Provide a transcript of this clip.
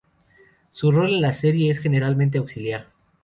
Su rol en la serie es generalmente auxiliar.